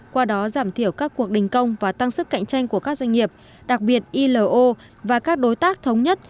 qua đó giảm thiểu các cuộc đình công và tăng sức cạnh tranh của các doanh nghiệp đặc biệt ilo và các đối tác thống nhất